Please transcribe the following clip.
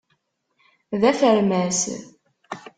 D afermas.